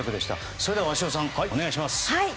それでは鷲尾さんお願いします。